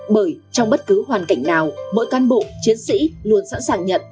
bởi trong bất cứ hoàn cảnh nào mỗi cán bộ chiến sĩ luôn sẵn sàng nhận